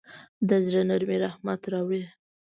د زړه نرمي رحمت راوړي.